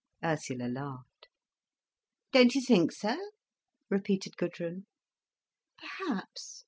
Ursula laughed. "Don't you think so?" repeated Gudrun. "Perhaps.